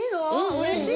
うれしい！